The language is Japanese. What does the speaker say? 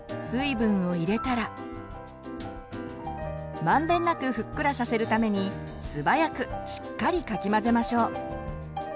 水分を入れたらまんべんなくふっくらさせるために素早くしっかりかき混ぜましょう。